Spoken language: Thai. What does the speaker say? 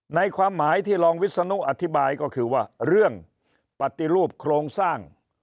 ในความหมายที่รองวิศนุอธิบายก็คือว่าเรื่องปฏิรูปโครงสร้าง